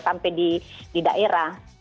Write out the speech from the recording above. sampai di daerah